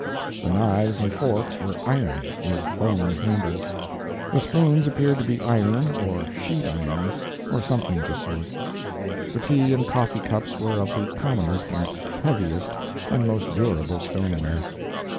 The knives and forks were iron, with bone handles, the spoons appeared to be iron or sheet iron or something of the sort. The tea and coffee cups were of the commonest and heaviest and most durable stone ware.